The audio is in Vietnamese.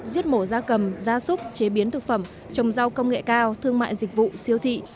giết mổ da cầm da súc chế biến thực phẩm trồng rau công nghệ cao thương mại dịch vụ siêu thị